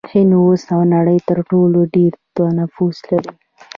هند اوس د نړۍ تر ټولو ډیر نفوس لري.